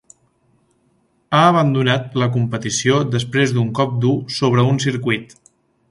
Ha abandonat la competició després d'un cop dur sobre un circuit.